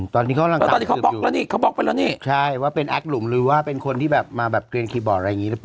ตอนนี้เขาเป็นแอ็กลุมหรือว่าเป็นคนที่มาเรียนคีย์บอร์ดหรือเปล่า